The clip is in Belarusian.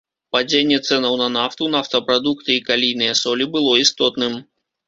Падзенне цэнаў на нафту, нафтапрадукты і калійныя солі было істотным.